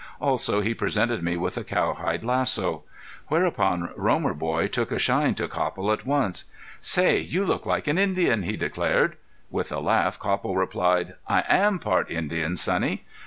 Also he presented me with a cowhide lasso. Whereupon Romer boy took a shine to Copple at once. "Say, you look like an Indian," he declared. With a laugh Copple replied: "I am part Indian, sonny."